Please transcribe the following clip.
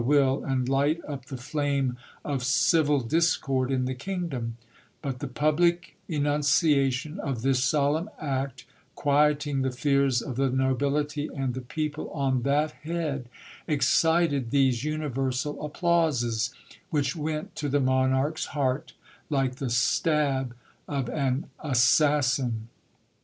123 will, and light up the flame of civil discord in the kingdom ; but the public enunciation of this solemn act, quieting the fears of the nobility and the people on that head, excited these universal applauses, which went to the monarch's heart like the stab of an assassin.